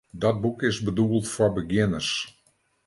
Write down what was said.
Dat boek is bedoeld foar begjinners.